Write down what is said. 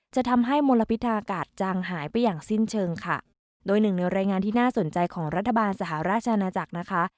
จะทำให้มลพิธาอากาศจางหายไปอย่างสิ้นเชิงค่ะโดยหนึ่งในรายงานที่น่าสนใจของรัฐบาลสหราชอาณาจักรนะคะ